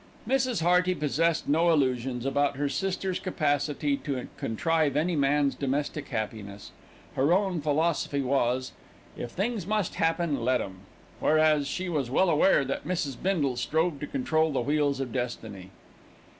Mrs. Hearty possessed no illusions about her sister's capacity to contrive any man's domestic happiness. Her own philosophy was, "If things must happen, let 'em," whereas she was well aware that Mrs. Bindle strove to control the wheels of destiny.